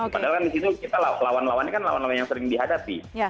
padahal kan disitu kita lawan lawannya kan lawan lawannya yang sering dihadapi